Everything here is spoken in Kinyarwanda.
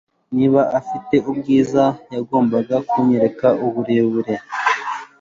Niba afite ubwiza yagombaga kunyereka uburebure